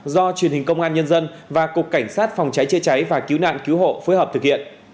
do truyền hình công an nhân dân và cục cảnh sát phòng cháy chế cháy và cứu nạn cứu hộ phối hợp thực hiện